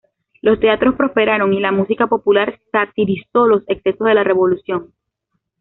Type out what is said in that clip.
Los teatros prosperaron y la música popular satirizó los excesos de la revolución.